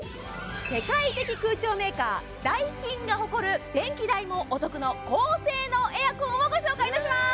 世界的空調メーカーダイキンが誇る電気代もお得の高性能エアコンをご紹介いたします！